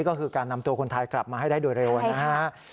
ก็คือการนำตัวคนไทยกลับมาให้ได้โดยเร็วนะฮะ